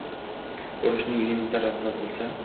urinishning elementar oqibati bo‘lsa